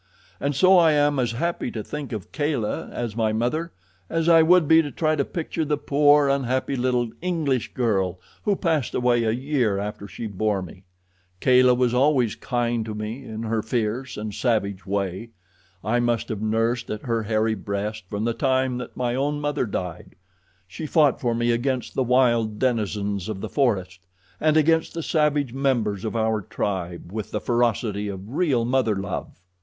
And so I am as happy to think of Kala as my mother as I would be to try to picture the poor, unhappy little English girl who passed away a year after she bore me. Kala was always kind to me in her fierce and savage way. I must have nursed at her hairy breast from the time that my own mother died. She fought for me against the wild denizens of the forest, and against the savage members of our tribe, with the ferocity of real mother love.